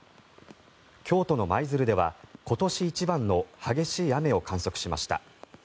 京都の舞鶴では今年一番の激しい雨を観測しました。